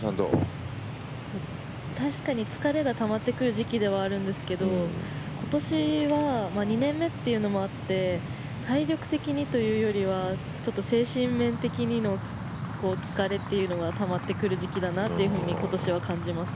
確かに疲れがたまってくる時期ではあるんですが今年は２年目というのもあって体力的にというよりはちょっと精神面的な疲れというのがたまってくる時期だなっていうふうに今年は感じます。